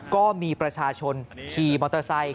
ก็มีประชาชนขี่มอเตอร์ไซค์